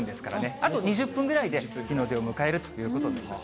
あと２０分ぐらいで日の出を迎えるということになります。